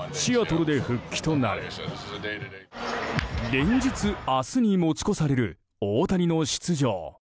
連日、明日に持ち越される大谷の出場。